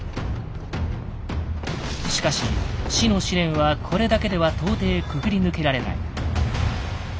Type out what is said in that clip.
しかし死の試練はこれだけでは到底くぐり抜けられない。